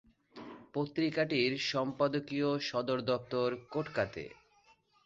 পত্রিকাটির সম্পাদকীয় সদর দপ্তর কোটকাতে।